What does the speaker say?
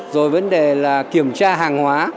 rồi vấn đề là kiểm tra hàng hóa